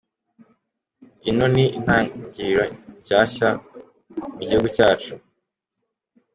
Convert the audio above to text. "Ino ni intangiriro nshasha ku gihugu cyacu.